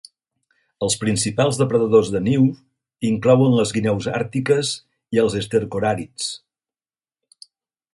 Els principals depredadors de niu inclouen les guineus àrtiques i els estercoràrids.